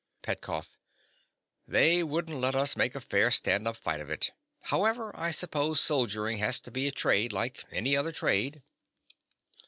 PETKOFF. They wouldn't let us make a fair stand up fight of it. However, I suppose soldiering has to be a trade like any other trade.